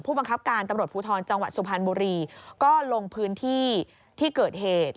บังคับการตำรวจภูทรจังหวัดสุพรรณบุรีก็ลงพื้นที่ที่เกิดเหตุ